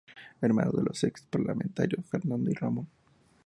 Hermano de los ex parlamentarios, Fernando y Ramón.